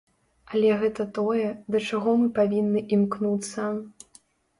Але гэта тое, да чаго мы павінны імкнуцца.